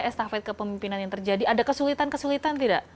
estafet kepemimpinan yang terjadi ada kesulitan kesulitan tidak